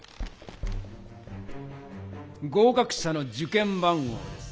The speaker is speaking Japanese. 合かく者の受験番号です。